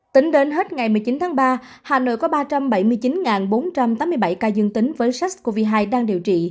tính đến hết ngày một mươi chín tháng ba hà nội có ba trăm bảy mươi chín bốn trăm tám mươi bảy ca dương tính với sars cov hai đang điều trị